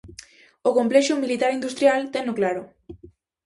O complexo militar-industrial teno claro.